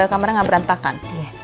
kamarnya gak berantakan